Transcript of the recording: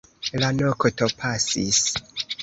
La nokto pasis.